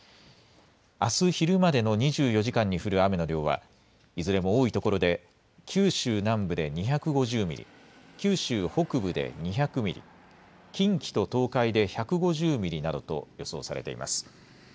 あす昼までの２４時間に降る雨の量はいずれも多いところで九州南部で２５０ミリ、九州北部で２００ミリ、近畿と東海で１５０ミリなどと予想されています。